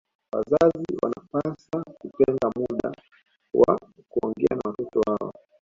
Wazazi wanawapasa kutenga muda wa kuongea na watoto wao